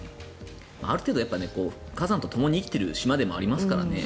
ある程度火山とともに生きてる島でもありますからね。